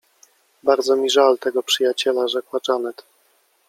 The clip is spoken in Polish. — Bardzo mi żal tego przyjaciela — rzekła Janet.